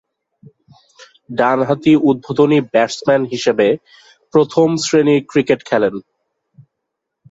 ডানহাতি উদ্বোধনী ব্যাটসম্যান হিসেবে প্রথম-শ্রেণীর ক্রিকেট খেলেন।